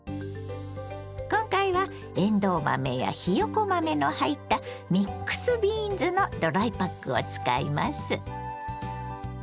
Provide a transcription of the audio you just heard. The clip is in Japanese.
今回はえんどう豆やひよこ豆の入ったミックスビーンズのドライパックを使います。